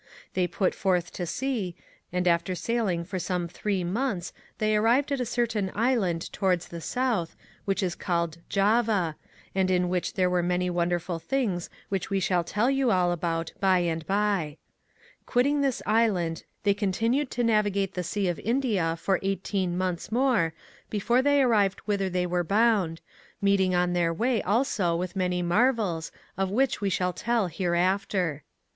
They put forth to sea, and after sailing for some three months they arrived at a certain Island towards the South, which is called Java,* and in which there are many wonderful things which we shall tell you all about by and bye. Quitting this Island they con Chap. XVIII. VOYAGE THROUGH THE SEA OE INDIA 15 tinued to navigate the Sea of India for eighteen months more before they arrived whither they were bound, meeting on their way also with many marvels, of which we shall tell hereafter.